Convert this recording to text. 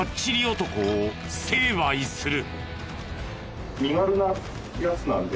男を成敗する。